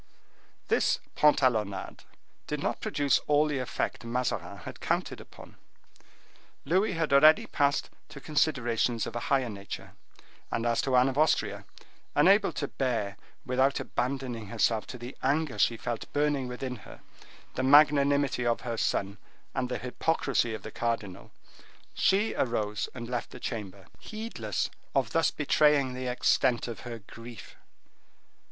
This pantalonnade did not produce all the effect Mazarin had counted upon. Louis had already passed to considerations of a higher nature, and as to Anne of Austria, unable to bear, without abandoning herself to the anger she felt burning within her, the magnanimity of her son and the hypocrisy of the cardinal, she arose and left the chamber, heedless of thus betraying the extent of her grief.